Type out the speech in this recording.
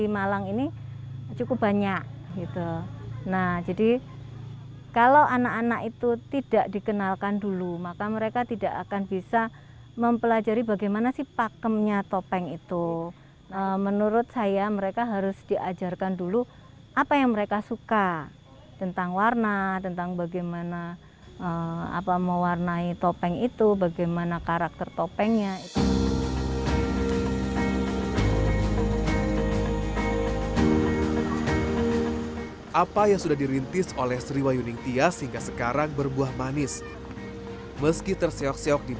masker tiga itu sudah tidak mungkin